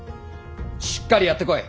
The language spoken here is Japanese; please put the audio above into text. しっかりやってこい！